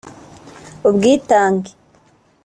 ubwitange